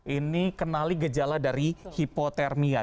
ini kenali gejala dari hipotermia